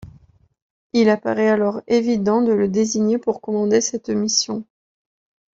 Il apparaît alors évident de le désigner pour commander cette mission.